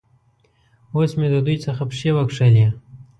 اوس مې د دوی څخه پښې وکښلې.